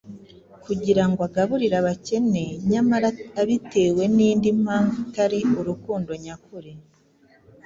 kugira ngo agaburire abakene nyamara abitewe n’indi mpamvu itari urukundo nyakuri